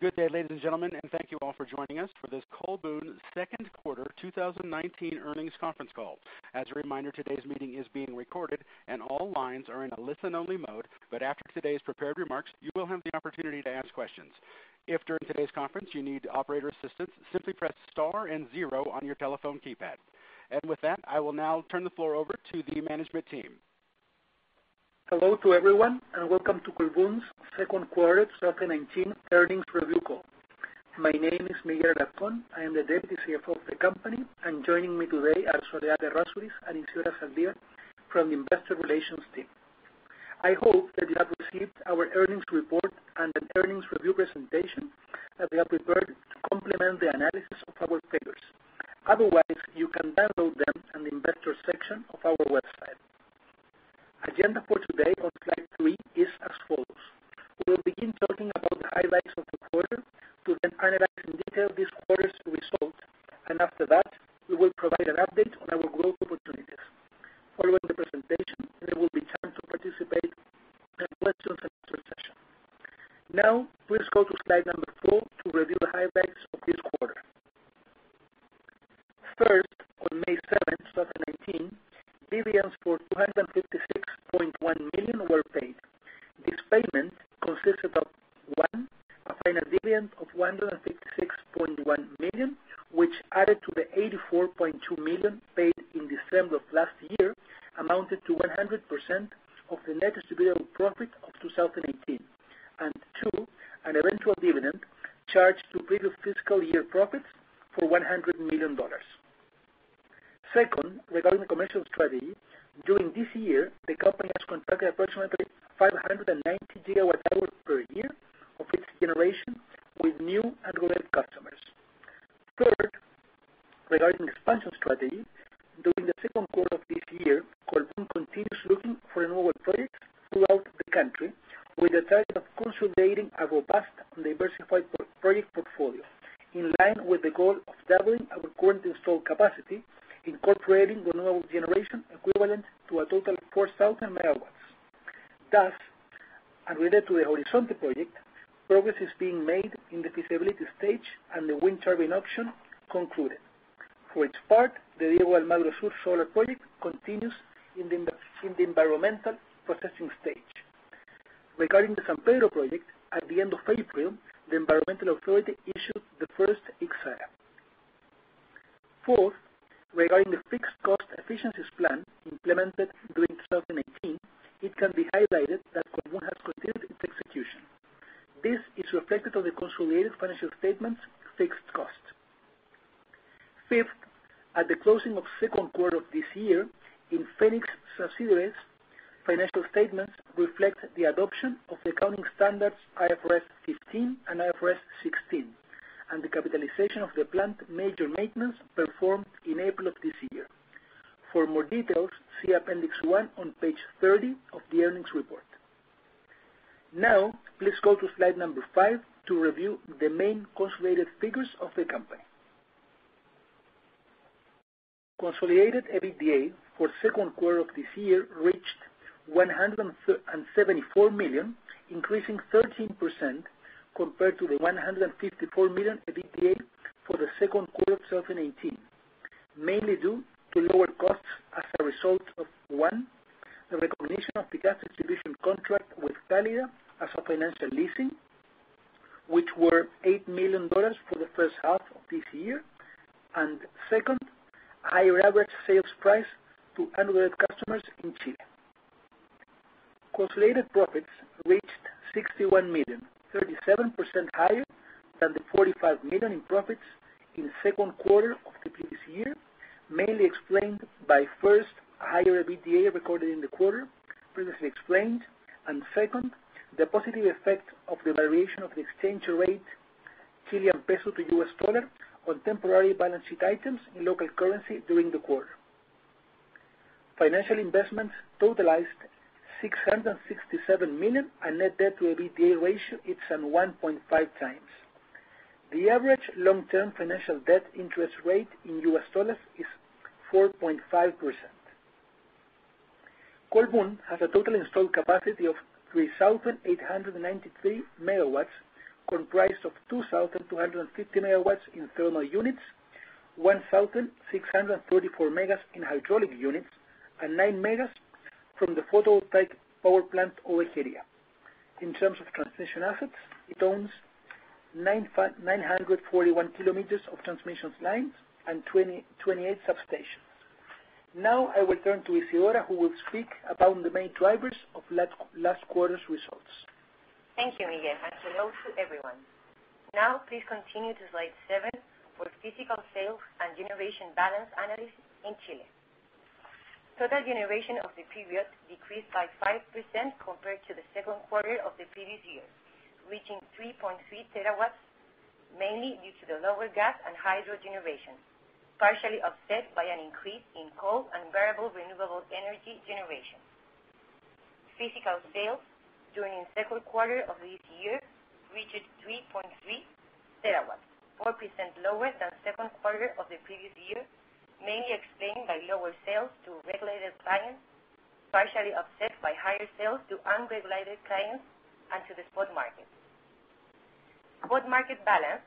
Good day, ladies and gentlemen, thank you all for joining us for this Colbún second quarter 2019 earnings conference call. As a reminder, today's meeting is being recorded, and all lines are in a listen-only mode, but after today's prepared remarks, you will have the opportunity to ask questions. If, during today's conference, you need operator assistance, simply press star and zero on your telephone keypad. With that, I will now turn the floor over to the management team. Hello to everyone, welcome to Colbún's second quarter 2019 earnings review call. My name is Miguel Rapún. I am the Deputy CFO of the company, and joining me today are Soledad Razmilic and Isidora Sander from the investor relations team. I hope that you have received our earnings report and the earnings review presentation, that we have prepared to complement the analysis of our figures. Otherwise, you can download them in the investor section of our website. Agenda for today on slide three is as follows. We will begin talking about the highlights of the quarter to then analyze in detail this quarter's result, and after that, we will provide an update on our growth opportunities. Following the presentation, there will be time to participate in a questions and answers session. Now, please go to slide number four to review the highlights of this quarter. First, on May 7th, 2019, dividends for $256.1 million were paid. This payment consisted of, one, a final dividend of $156.1 million, which, added to the $84.2 million paid in December of last year, amounted to 100% of the net distributable profit of 2018. Two, an eventual dividend charged to previous fiscal year profits for $100 million. Second, regarding the commercial strategy, during this year, the company has contracted approximately 590 gigawatt hours per year of its generation with new and related customers. Third, regarding expansion strategy, during the second quarter of this year, Colbún continues looking for renewable projects throughout the country with a target of consolidating a robust and diversified project portfolio in line with the goal of doubling our current installed capacity, incorporating renewable generation equivalent to a total of 4,000 megawatts. Related to the Horizonte project, progress is being made in the feasibility stage, and the wind turbine option concluded. For its part, the Diego de Almagro Sur project continues in the environmental processing stage. Regarding the Zampeiro project, at the end of April, the environmental authority issued the first EIA. Fourth, regarding the fixed cost efficiencies plan implemented during 2019, it can be highlighted that Colbún has continued its execution. This is reflected on the consolidated financial statements' fixed costs. Fifth, at the closing of the second quarter of this year, in Fenix' subsidiaries' financial statements reflect the adoption of the accounting standards IFRS 15 and IFRS 16, and the capitalization of the plant major maintenance performed in April of this year. For more details, see Appendix one on page 30 of the earnings report. Please go to slide five to review the main consolidated figures of the company. Consolidated EBITDA for the second quarter of this year reached $174 million, increasing 13% compared to the $154 million EBITDA for the second quarter of 2018, mainly due to lower costs as a result of, one, the recognition of the gas distribution contract with Cálidda as a financial leasing, which were $8 million for the first half of this year. Second, higher average sales price to unrelated customers in Chile. Consolidated profits reached $61 million, 37% higher than the $45 million in profits in the second quarter of the previous year, mainly explained by, first, higher EBITDA recorded in the quarter, previously explained. Second, the positive effect of the variation of the exchange rate Chilean peso to US dollar on temporary balance sheet items in local currency during the quarter. Financial investments totalized $667 million, a net debt to EBITDA ratio is at 1.5 times. The average long-term financial debt interest rate in US dollars is 4.5%. Colbún has a total installed capacity of 3,893 megawatts, comprised of 2,250 megawatts in thermal units, 1,634 megas in hydraulic units, and nine megas from the photovoltaic power plant, Ovejería. In terms of transmission assets, it owns 941 kilometers of transmissions lines and 28 substations. I will turn to Isidora, who will speak about the main drivers of last quarter's results. Thank you, Miguel, and hello to everyone. Now, please continue to slide seven for physical sales and generation balance analysis in Chile. Total generation of the period decreased by 5% compared to the second quarter of the previous year, reaching 3.3 terawatts, mainly due to the lower gas and hydro generation, partially offset by an increase in coal and variable renewable energy generation. Physical sales during the second quarter of this year reached 3.3 terawatts, 4% lower than second quarter of the previous year, mainly explained by lower sales to regulated clients, partially offset by higher sales to unregulated clients and to the spot market. Spot market balance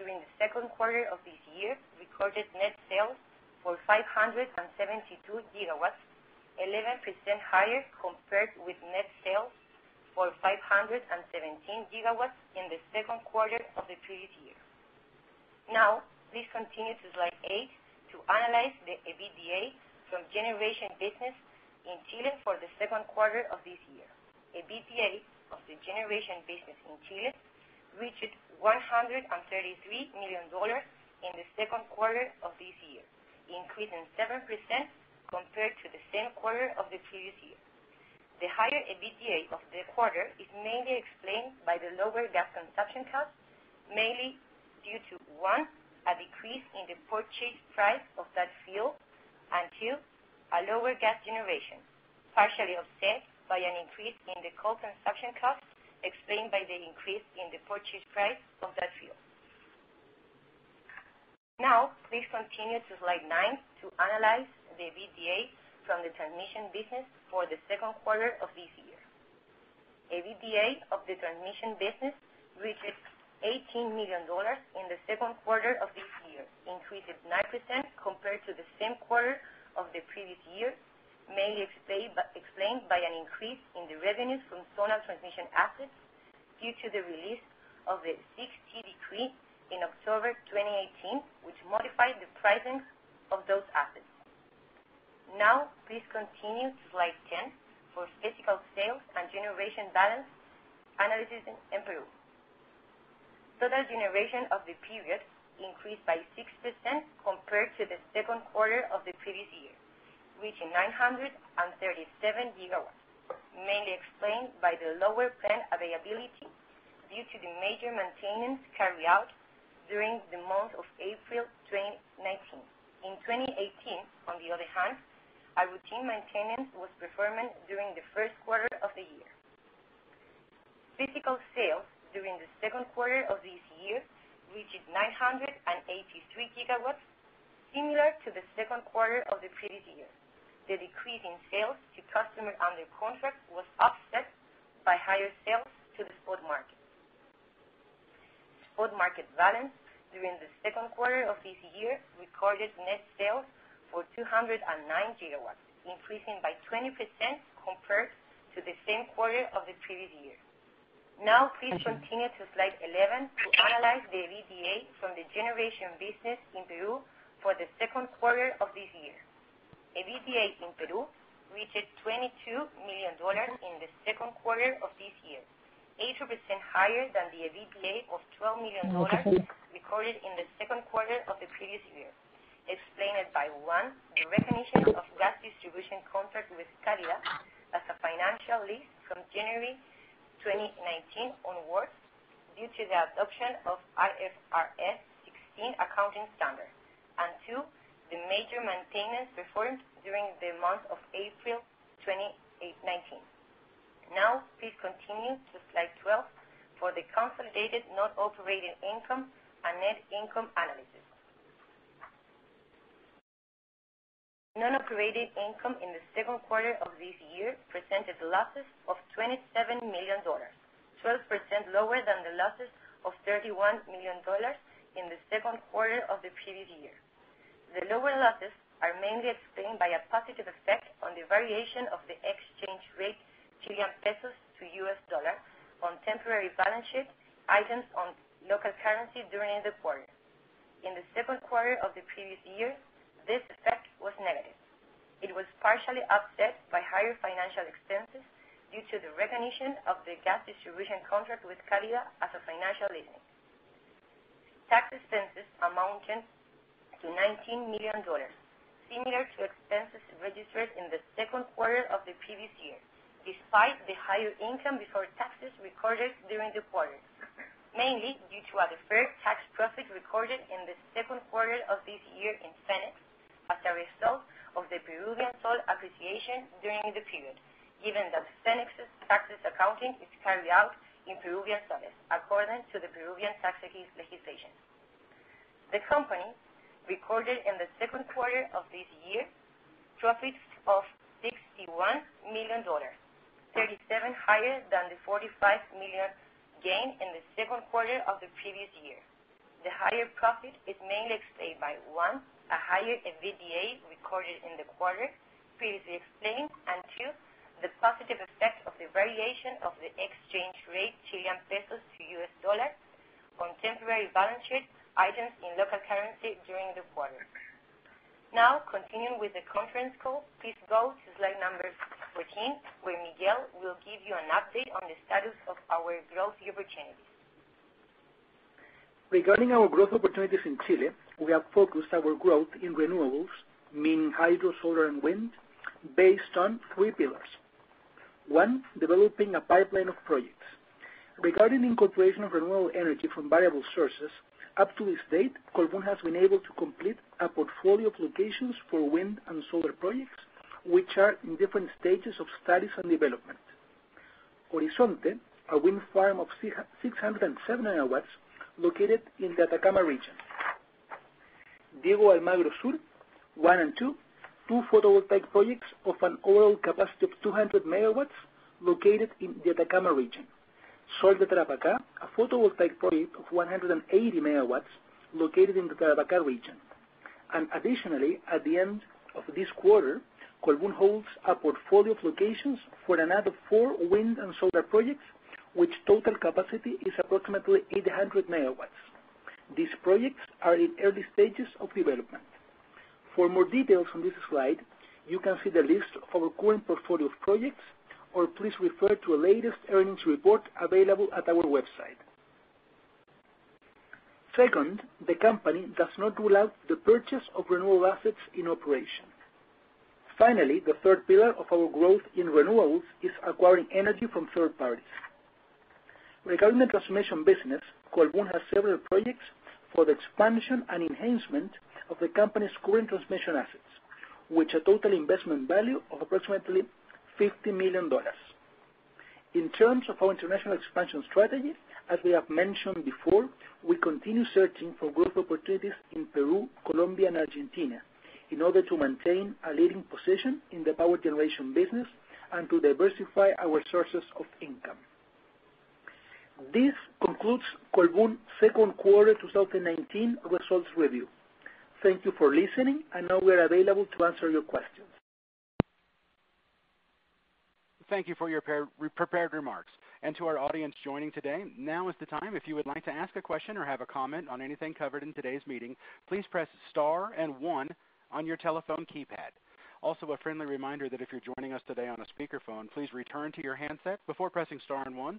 during the second quarter of this year recorded net sales for 572 gigawatts, 11% higher compared with net sales for 517 gigawatts in the second quarter of the previous year. Please continue to slide eight to analyze the EBITDA from generation business in Chile for the second quarter of this year. EBITDA of the generation business in Chile reached $133 million in the second quarter of this year, increase in 7% compared to the same quarter of the previous year. The higher EBITDA of the quarter is mainly explained by the lower gas consumption cost, mainly due to, one, a decrease in the purchase price of that fuel, and two, a lower gas generation, partially offset by an increase in the coal consumption cost, explained by the increase in the purchase price of that fuel. Please continue to slide nine to analyze the EBITDA from the transmission business for the second quarter of this year. EBITDA of the transmission business reached $18 million in the second quarter of this year, increases 9% compared to the same quarter of the previous year, mainly explained by an increase in the revenues from zonal transmission assets due to the release of the 60 decree in October 2018, which modified the pricing of those assets. Now, please continue to slide 10 for physical sales and generation balance analysis in Peru. Total generation of the period increased by 6% compared to the second quarter of the previous year, reaching 937 gigawatts, mainly explained by the lower plant availability due to the major maintenance carried out during the month of April 2019. In 2018, on the other hand, a routine maintenance was performed during the first quarter of the year. Physical sales during the second quarter of this year reached 983 gigawatts, similar to the second quarter of the previous year. The decrease in sales to customers under contract was offset by higher sales to the spot market. Spot market balance during the second quarter of this year recorded net sales for 209 gigawatts, increasing by 20% compared to the same quarter of the previous year. Please continue to slide 11 to analyze the EBITDA from the generation business in Peru for the second quarter of this year. EBITDA in Peru reached $22 million in the second quarter of this year, 8% higher than the EBITDA of $12 million recorded in the second quarter of the previous year, explained by, one, the recognition of gas distribution contract with Cálidda as a financial lease from January 2019 onwards due to the adoption of IFRS 16 accounting standard. Two, the major maintenance performed during the month of April 2019. Please continue to slide 12 for the consolidated non-operating income and net income analysis. Non-operating income in the second quarter of this year presented losses of $27 million, 12% lower than the losses of $31 million in the second quarter of the previous year. The lower losses are mainly explained by a positive effect on the variation of the exchange rate, CLP to USD, on temporary balance sheet items on local currency during the quarter. In the second quarter of the previous year, this effect was negative. It was partially offset by higher financial expenses due to the recognition of the gas distribution contract with Cálidda as a financial leasing. Tax expenses amounted to $19 million, similar to expenses registered in the second quarter of the previous year, despite the higher income before taxes recorded during the quarter, mainly due to a deferred tax profit recorded in the second quarter of this year in Fenix, as a result of the Peruvian sol appreciation during the period, given that Fenix's taxes accounting is carried out in Peruvian soles according to the Peruvian tax legislation. The company recorded, in the second quarter of this year, profits of $61 million, $37 higher than the $45 million gain in the second quarter of the previous year. The higher profit is mainly explained by, one, a higher EBITDA recorded in the quarter previously explained, and two, the positive effect of the variation of the exchange rate, Chilean pesos to US dollar, on temporary balance sheet items in local currency during the quarter. Now, continuing with the conference call, please go to slide number 14, where Miguel will give you an update on the status of our growth opportunities. Regarding our growth opportunities in Chile, we have focused our growth in renewables, meaning hydro, solar, and wind, based on three pillars. One, developing a pipeline of projects. Regarding incorporation of renewable energy from variable sources, up to this date, Colbún has been able to complete a portfolio of locations for wind and solar projects, which are in different stages of studies and development. Horizonte, a wind farm of 670 MW located in the Atacama region. Diego de Almagro Sur I and II, two photovoltaic projects of an overall capacity of 200 MW located in the Atacama region. Sol de Tarapacá, a photovoltaic project of 180 MW located in the Tarapacá region. Additionally, at the end of this quarter, Colbún holds a portfolio of locations for another four wind and solar projects, which total capacity is approximately 800 MW. These projects are in early stages of development. For more details on this slide, you can see the list of our current portfolio of projects, or please refer to the latest earnings report available at our website. Second, the company does not rule out the purchase of renewable assets in operation. The third pillar of our growth in renewables is acquiring energy from third parties. Regarding the transformation business, Colbún has several projects for the expansion and enhancement of the company's current transmission assets, with a total investment value of approximately $50 million. In terms of our international expansion strategy, as we have mentioned before, we continue searching for growth opportunities in Peru, Colombia, and Argentina in order to maintain a leading position in the power generation business and to diversify our sources of income. This concludes Colbún's second quarter 2019 results review. Thank you for listening, and now we're available to answer your questions. Thank you for your prepared remarks. To our audience joining today, now is the time if you would like to ask a question or have a comment on anything covered in today's meeting. Please press star and one on your telephone keypad. Also, a friendly reminder that if you're joining us today on a speakerphone, please return to your handset before pressing star and one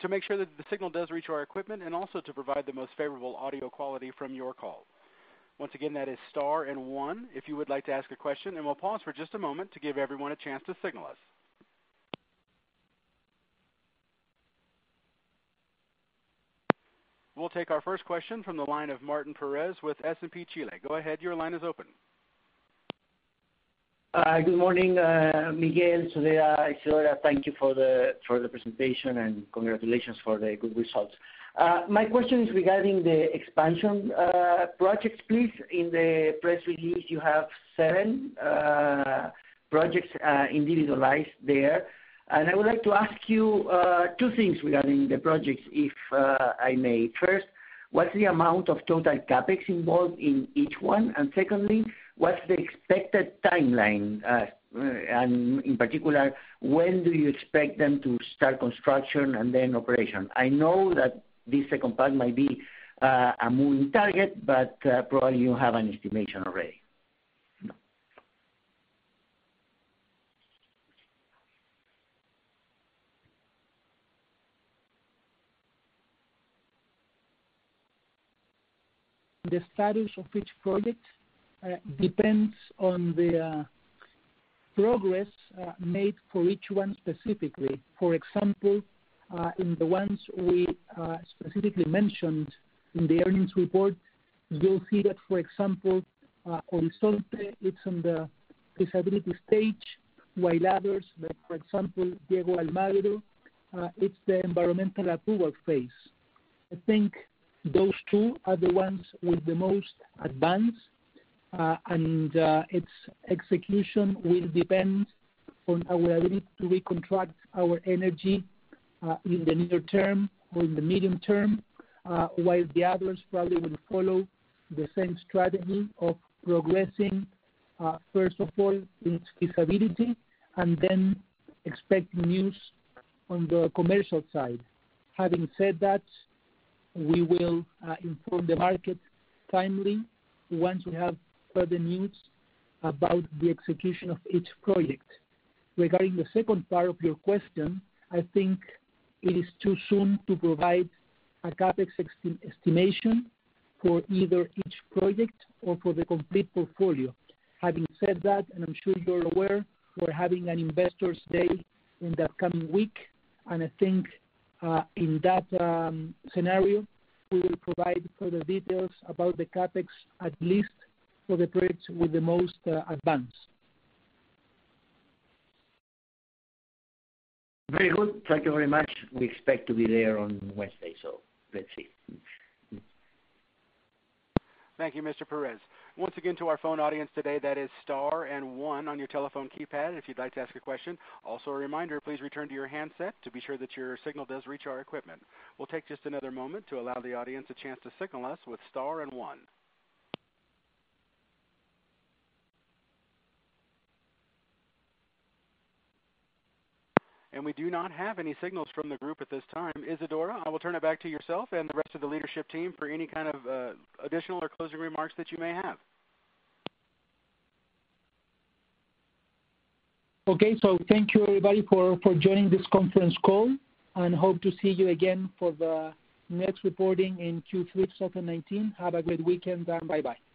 to make sure that the signal does reach our equipment and also to provide the most favorable audio quality from your call. Once again, that is star and one if you would like to ask a question, and we'll pause for just a moment to give everyone a chance to signal us. We'll take our first question from the line of Martín Pérez with S&P Chile. Go ahead, your line is open. Good morning, Miguel, Soledad, Isidora. Thank you for the presentation, and congratulations for the good results. My question is regarding the expansion projects, please. In the press release, you have seven projects individualized there. I would like to ask you two things regarding the projects, if I may. First, what's the amount of total CapEx involved in each one? Secondly, what's the expected timeline? In particular, when do you expect them to start construction and then operation? I know that this second part might be a moving target, but probably you have an estimation already. The status of each project depends on the progress made for each one specifically. For example, in the ones we specifically mentioned in the earnings report, you'll see that, for example, Horizonte, it's in the feasibility stage, while others, like, for example, Diego Almagro, it's the environmental approval phase. I think those two are the ones with the most advance, and its execution will depend on our ability to recontract our energy in the near term or in the medium term, while the others probably will follow the same strategy of progressing, first of all, in feasibility and then expect news on the commercial side. Having said that, we will inform the market timely once we have further news about the execution of each project. Regarding the second part of your question, I think it is too soon to provide a CapEx estimation for either each project or for the complete portfolio. Having said that, and I'm sure you're aware, we're having an Investor Day in the coming week, and I think in that scenario, we will provide further details about the CapEx, at least for the projects with the most advance. Very good. Thank you very much. We expect to be there on Wednesday, let's see. Thank you, Mr. Pérez. Once again to our phone audience today, that is star and one on your telephone keypad if you'd like to ask a question. Also, a reminder, please return to your handset to be sure that your signal does reach our equipment. We'll take just another moment to allow the audience a chance to signal us with star and one. We do not have any signals from the group at this time. Isidora, I will turn it back to yourself and the rest of the leadership team for any kind of additional or closing remarks that you may have. Okay. Thank you, everybody, for joining this conference call, and hope to see you again for the next reporting in Q3 2019. Have a great weekend. Bye-bye.